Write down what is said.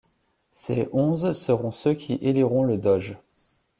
Ces onze seront ceux qui éliront le doge.